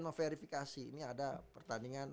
meverifikasi ini ada pertandingan